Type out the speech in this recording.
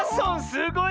すごい。